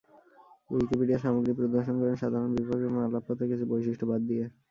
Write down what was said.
Wikipedia সামগ্রী প্রদর্শন করুন, সাধারণত বিভাগ এবং আলাপ পাতায় কিছু বৈশিষ্ট্য বাদ দিয়ে।